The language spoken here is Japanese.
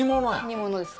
煮物です。